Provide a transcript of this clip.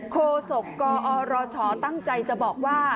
โศกกอรชตั้งใจจะบอกว่า